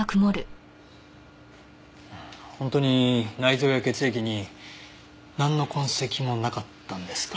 本当に内臓や血液になんの痕跡もなかったんですか？